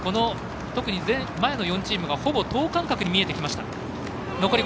特に前の４チームがほぼ等間隔に見えてきました。